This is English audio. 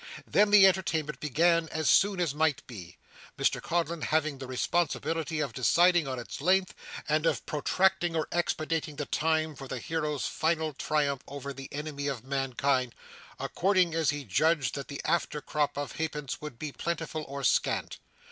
Then the entertainment began as soon as might be; Mr Codlin having the responsibility of deciding on its length and of protracting or expediting the time for the hero's final triumph over the enemy of mankind, according as he judged that the after crop of half pence would be plentiful or scant.